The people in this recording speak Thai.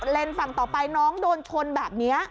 เลนส์ฝั่งต่อไปน้องโดนชนแบบนี้